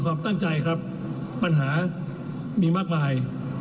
ความตั้งใจครับปัญหามีมากมาย